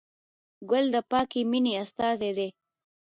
ګل د پاکې مینې استازی دی.